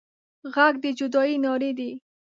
غږ د جدايي نارې دي